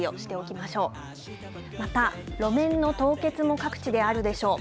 また路面の凍結も、各地であるでしょう。